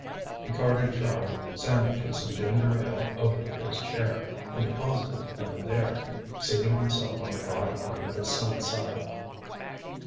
He carted Charlie, sandwiches and ginger ale over to his chair and deposited them there, seating himself on the broad arm at his son's side.